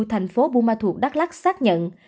thành phố bumathut đắk lắk xác nhận